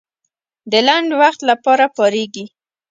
د لنډ وخت لپاره پارېږي.